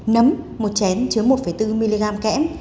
nấm một chén chứa một bốn mg kẽm